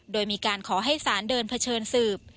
โดยมีการขอให้สารเดินเผชิญสืบ